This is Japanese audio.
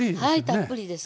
たっぷりです。